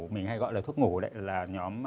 mình hay gọi là thuốc ngủ đấy là nhóm